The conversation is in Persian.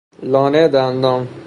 لانه دندان